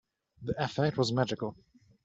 The effect was magical.